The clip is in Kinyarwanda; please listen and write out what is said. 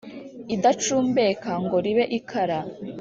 idacumbeka ngo ribe ikara